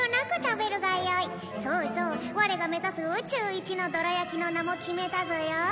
「そうそうワレが目指す宇宙一のどら焼きの名も決めたぞよ」